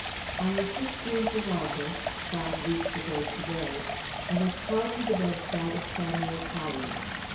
On the sixteenth of August, five weeks ago to day, I was called to the bedside of Samuel Pollard.